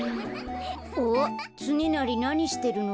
あっつねなりなにしてるの？